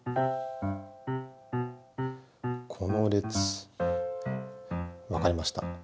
この列。わかりました。